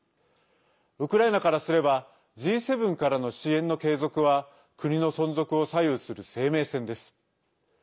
ウクライナからすればＧ７からの支援の継続は国の存続を左右する生命線です。